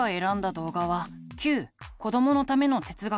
動画は「Ｑこどものための哲学」。